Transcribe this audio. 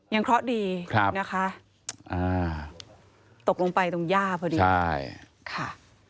ยังเคราะห์ดีนะคะตกลงไปตรงหญ้าพอดีค่ะ